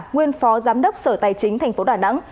nguyên phó giám đốc sở tài chính tp đà nẵng